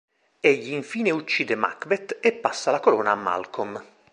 Egli infine uccide Macbeth e passa la corona a Malcolm.